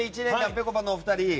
ぺこぱのお二人。